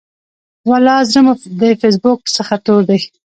ولا زړه مو د فیسبوک څخه تور دی.